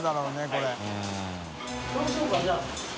これ。